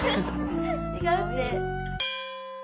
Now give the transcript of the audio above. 違うって。